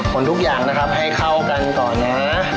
ทุกอย่างนะครับให้เข้ากันก่อนนะ